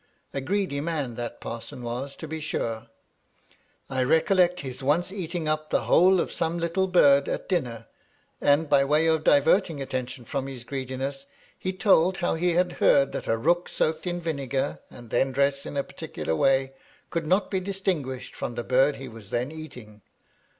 A greedy man, that parson was, to be sure 1 I recollect his once eating up the whole of some little bird at dinner, and by way of diverting attention from his greediness, he told how he had heard that a rook soaked in vinegar and then dressed in a particular way, could not be distinguished from the bird he was then eating.